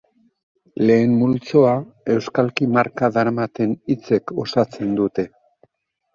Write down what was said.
Lehen multzoa euskalki marka daramaten hitzek osatzen dute.